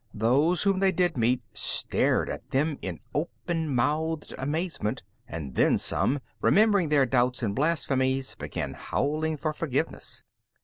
Those whom they did meet stared at them in open mouthed amazement, and then some, remembering their doubts and blasphemies, began howling for forgiveness.